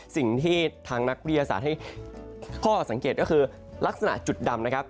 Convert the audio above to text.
สิ่งที่ทางนักวิทยาศาสตร์ให้ข้อสังเกตก็คือลักษณะจุดดำนะครับ